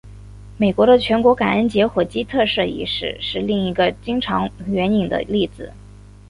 美国的全国感恩节火鸡特赦仪式是另一个经常援引的例子。